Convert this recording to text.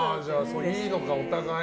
いいのか、お互い。